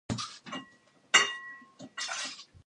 It has been observed growing near streams.